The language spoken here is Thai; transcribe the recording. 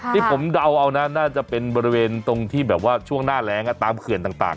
ที่ผมเดาเอานะน่าจะเป็นบริเวณตรงที่แบบว่าช่วงหน้าแรงตามเขื่อนต่าง